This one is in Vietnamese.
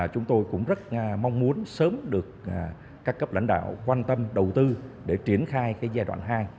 chúng tôi cũng rất mong muốn sớm được các cấp lãnh đạo quan tâm đầu tư để triển khai giai đoạn hai